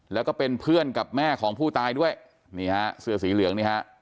แล้วก็เป็นเพื่อนกับแม่ของผู้ตายด้วยนี่ฮะเสื้อสีเหลืองนี่ฮะ